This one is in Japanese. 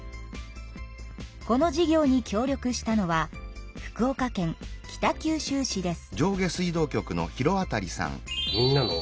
この事業に協力したのは福岡県北九州市です。